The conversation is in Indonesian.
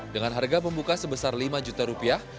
dengan harga pembuka sebesar lima juta rupiah